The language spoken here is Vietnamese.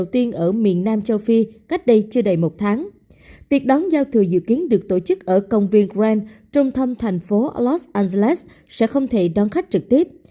tiệc đón giao thừa dự kiến được tổ chức ở công viên grand trung thâm thành phố los angeles sẽ không thể đón khách trực tiếp